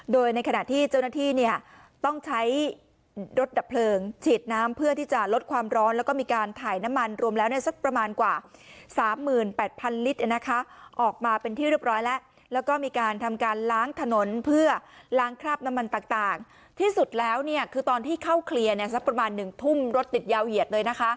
โดยในขณะที่เจ้าหน้าที่เนี่ยต้องใช้รถดับเพลิงฉีดน้ำเพื่อที่จะลดความร้อนแล้วก็มีการถ่ายน้ำมันรวมแล้วเนี่ยสักประมาณกว่าสามหมื่นแปดพันลิตรนะคะออกมาเป็นที่เรียบร้อยแล้วแล้วก็มีการทำการล้างถนนเพื่อล้างคราบน้ำมันต่างต่างที่สุดแล้วเนี่ยคือตอนที่เข้าเคลียร์เนี่ยสักประมาณหนึ่งทุ่มรถ